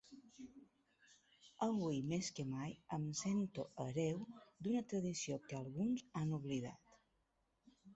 Avui més que mai, em sento hereu d'una tradició que alguns han oblidat.